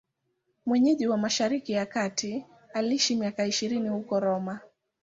Mwenyeji wa Mashariki ya Kati, aliishi miaka ishirini huko Roma.